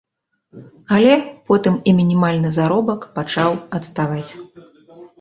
Але потым і мінімальны заробак пачаў адставаць.